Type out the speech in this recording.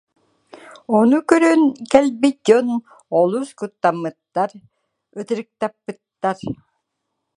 Ону көрөн кэлбит дьон олус куттаммыттар, ытырыктаппыттар